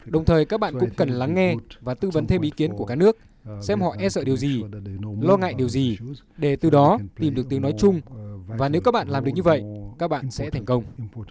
đồng thời các bạn cũng cần lắng nghe và tư vấn thêm ý kiến của các nước xem họ e sợ điều gì lo ngại điều gì để từ đó tìm được tiếng nói chung và nếu các bạn làm được như vậy các bạn sẽ thành công